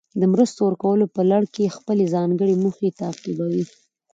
د مرستو ورکولو په لړ کې خپلې ځانګړې موخې تعقیبوي.